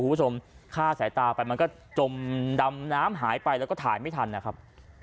คุณผู้ชมฆ่าสายตาไปมันก็จมดำน้ำหายไปแล้วก็ถ่ายไม่ทันนะครับ